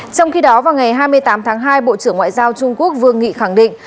trong khi đó vào ngày hai mươi tám tháng hai bộ trưởng ngoại giao trung quốc vương nghị khẳng định